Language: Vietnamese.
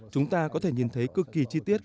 chúng ta có thể nhìn thấy cực kỳ chi tiết